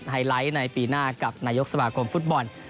ไฮไลท์ในปีหน้ากับนายกสมาคมฟุตบอล